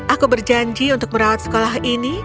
aku berjanji untuk merawat sekolah ini